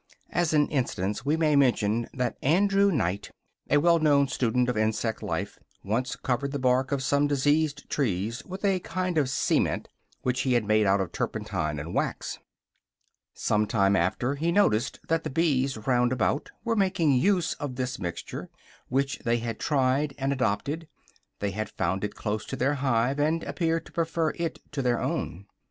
As an instance, we may mention that Andrew Knight, a wellknown student of insect life, once covered the bark of some diseased trees with a kind of cement which he had made out of turpentine and wax. Some time after he noticed that the bees round about were making use of this mixture, which they had tried and adopted; they had found it close to their hive, and appeared to prefer it to their own.